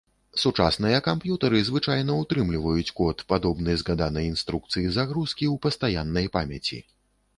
Сучасныя камп'ютары звычайна утрымліваюць код, падобны згаданай інструкцыі загрузкі, ў пастаяннай памяці.